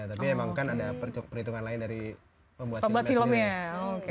tapi emang kan ada perhitungan lain dari pembuat filmnya sendiri